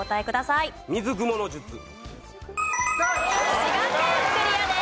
滋賀県クリアです。